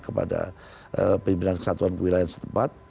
kepada pimpinan kesatuan kewilayahan setempat